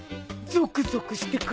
ゾクゾクしてくれたかな？